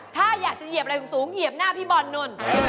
ถ้าอยากจะเหยียบอะไรสูงเหยียบหน้าพี่บอลนู่น